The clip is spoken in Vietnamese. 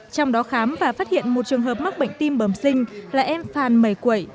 trong đó khám và phát hiện một trường hợp mắc bệnh tim phẩm sinh là em phàn mày quẩy